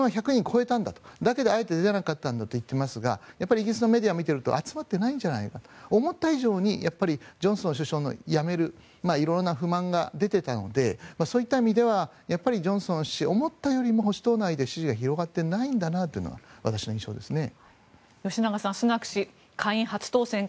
推薦人１００人集まると思ったと思うんですが自分は１００人を超えたんだだけどあえて出なかったんだと言っていますがイギリスのメディアを見ると集まっていないんじゃないか思った以上にジョンソン首相の辞める色々な不満が出ていたのでそういった意味ではジョンソン氏思ったよりも保守党内で支持が広がっていないんだなというのが私の印象ですね。